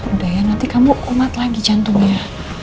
udah ya nanti kamu kuat lagi jantungnya